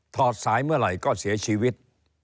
อดสายเมื่อไหร่ก็เสียชีวิต